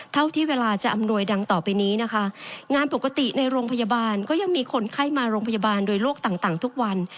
เท่าที่เวลาจะอำนวยดังต่อไปนี้นะคะงานปกติในโรงพยาบาลก็ยังมีคนไข้มาโรงพยาบาลโดยโรคต่างทุกวัน